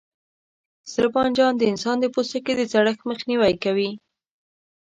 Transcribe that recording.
سره بانجان د انسان د پوستکي د زړښت مخنیوی کوي.